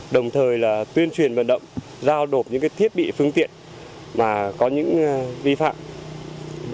đồng thời là tuyên truyền vận động giao đột những thiết bị phương tiện mà có những vi phạm